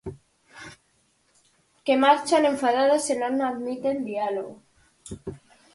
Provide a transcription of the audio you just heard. Que marchan enfadadas e non admiten diálogo.